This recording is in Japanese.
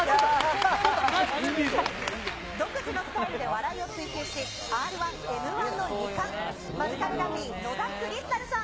独自のスタイルで笑いを追求し、Ｒー１、Ｍー１の２冠、マヂカルラブリー・野田クリスタルさん。